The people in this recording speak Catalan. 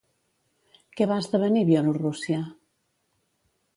Què va esdevenir Bielorússia?